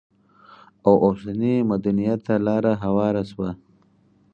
او اوسني مدنيت ته لار هواره شوه؛